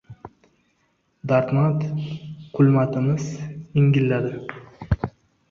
Dardmand Qulmatimiz ingilladi: